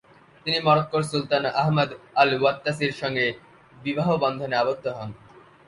তিনি মরক্কোর সুলতান আহমাদ আল-ওয়াত্তাসির সঙ্গে বিবাহবন্ধনে আবদ্ধ হন।